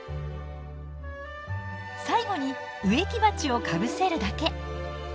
最後に植木鉢をかぶせるだけ。